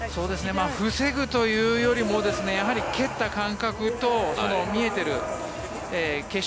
防ぐというよりもやはり蹴った感覚と見えている景色